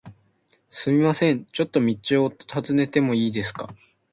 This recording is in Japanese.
すみません、ちょっと道を尋ねてもいいですか？